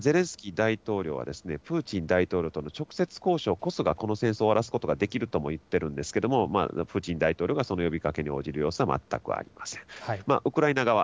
ゼレンスキー大統領はプーチン大統領との直接交渉こそが、この戦争を終わらすことができるとも言ってるんですけれども、プーチン大統領がその呼びかけに応じる様子は全くありません。